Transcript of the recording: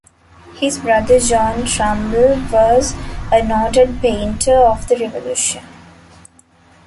His brother John Trumbull was a noted painter of the Revolution.